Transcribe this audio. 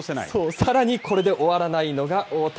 さらにこれで終わらないのが大谷。